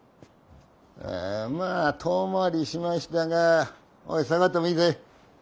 まあ遠回りしましたがおい下がってもいいぜ。